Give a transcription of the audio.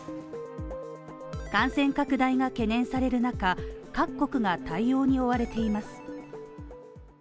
感染拡大が懸念される中、各国が対応に追われています。